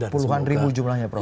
puluhan ribu jumlahnya prof